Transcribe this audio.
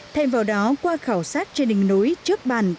thay vào đó qua khảo sát trên đỉnh núi trước bản